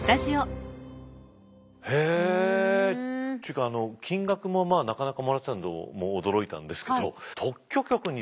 っていうかあの金額もまあなかなかもらってたのも驚いたんですけどね